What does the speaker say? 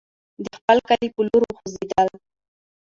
د خپل کلي پر لور وخوځېدل.